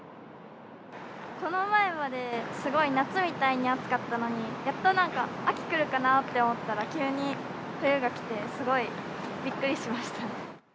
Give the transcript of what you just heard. この前まですごい夏みたいに暑かったのに、やっとなんか、秋来るかなと思ったら、急に冬が来て、すごいびっくりしました。